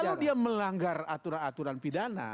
kalau dia melanggar aturan aturan pidana